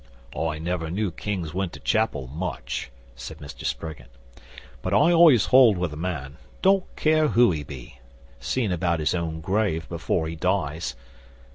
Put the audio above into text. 'I never knew kings went to chapel much,' said Mr Springett. 'But I always hold with a man don't care who he be seein' about his own grave before he dies.